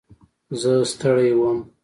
زه ستړی وم.